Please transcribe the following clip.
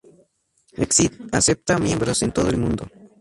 Exit acepta miembros en todo el mundo.